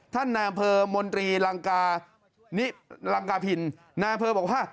ท่านนายอำเภอมนตรีลังกาผินนายอำเภอบอกว่า